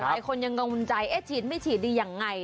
หลายคนยังกังวลใจเอ๊ะฉีดไม่ฉีดดียังไง